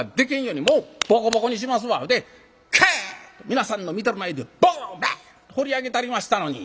皆さんの見てる前でボンバンほり上げたりましたのに。